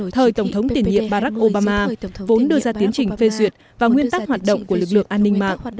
thời tổng thống tiền nhiệm barack obama vốn đưa ra tiến trình phê duyệt và nguyên tắc hoạt động của lực lượng an ninh mạng